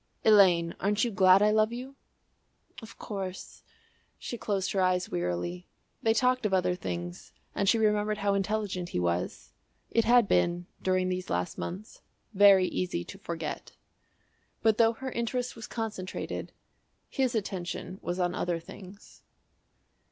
"Elaine, aren't you glad I love you?" "Of course." She closed her eyes wearily. They talked of other things and she remembered how intelligent he was. It had been during these last months very easy to forget. But though her interest was concentrated, his attention was on other things.